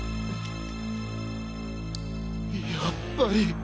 やっぱり。